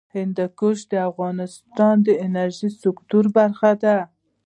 هندوکش د افغانستان د انرژۍ سکتور برخه ده.